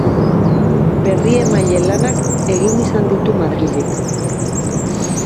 Berriemaile lanak egin izan ditu Madrildik.